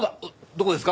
どこですか？